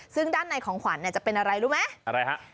ซึ่งด้านในของขวัญเนี่ยจะเป็นอะไรรู้ไหมอะไรฮะ